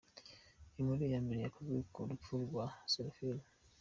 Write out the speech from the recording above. Inkuru ya mbere yakozwe ku rupfu rwa Seraphine.